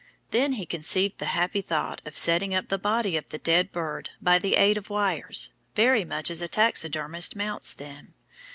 Then he conceived the happy thought of setting up the body of the dead bird by the aid of wires, very much as a taxidermist mounts them.